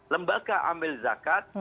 lembaga amil zakat